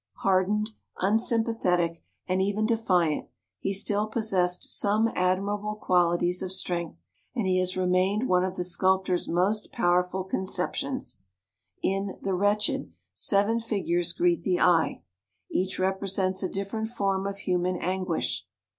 Hardened, unsympathetic, and even defiant, he still possessed some admirable qualities of strength, and he has remained one of the sculptor's most powerful concep tions. In "The Wretched" seven figures greet the eye. Each represents a different form of human anguish.